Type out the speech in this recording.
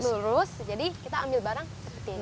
lurus jadi kita ambil barang seperti ini